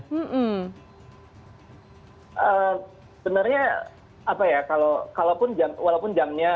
sebenarnya apa ya walaupun jamnya